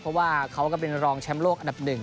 เพราะว่าเขาก็เป็นรองแชมป์โลกอันดับหนึ่ง